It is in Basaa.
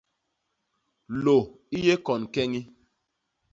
Lô i yé kon ñkeñi.